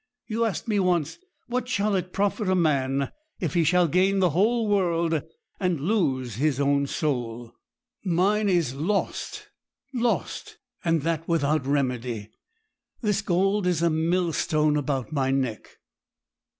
You asked me once, "What shall it profit a man if he shall gain the whole world, and lose his own soul?" Mine is lost lost, and that without remedy. This gold is a millstone about my neck.'